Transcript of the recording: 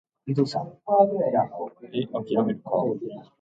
They are elected at the convention too.